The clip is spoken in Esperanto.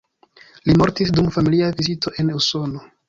Li mortis dum familia vizito en Usono.